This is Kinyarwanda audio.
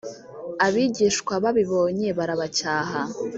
abigishwa babibonye barabacyaha